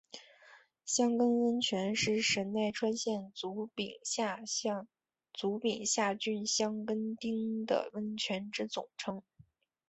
箱根温泉是神奈川县足柄下郡箱根町的温泉之总称。